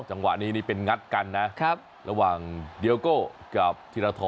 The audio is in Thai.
จังหวะนี้เป็นงัดกันนะระหว่างเดียวก็กับธีรธร